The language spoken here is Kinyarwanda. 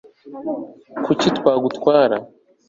kuki ntagutwara